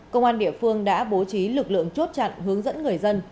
công an địa phương đã bố trí lực lượng chốt chặn hướng dẫn người dân